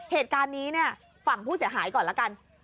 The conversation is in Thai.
เหตุการณ์นี้เนี่ยฝั่งผู้เสียหายก่อนละกัน